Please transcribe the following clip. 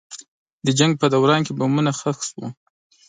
د جنګ په دوران کې بمونه ښخ شول.